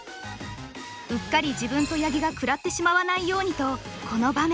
うっかり自分と八木が食らってしまわないようにとこの場面